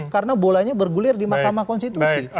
karena bolanya bergulir di makamah konstitusi